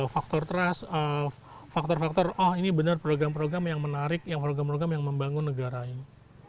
faktor trust faktor faktor oh ini benar program program yang menarik yang program program yang membangun negara ini